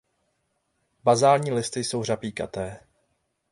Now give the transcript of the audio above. Bazální listy jsou řapíkaté.